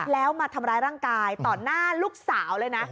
แล้วมาทำร้ายร่างกายต่อหน้าลูกสาวเลยนะ